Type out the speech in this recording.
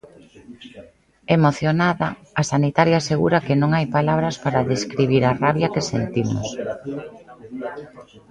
Emocionada, a sanitaria asegura que "non hai palabras para describir a rabia que sentimos".